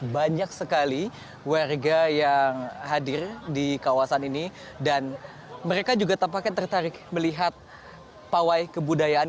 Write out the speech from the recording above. banyak sekali warga yang hadir di kawasan ini dan mereka juga tampaknya tertarik melihat pawai kebudayaan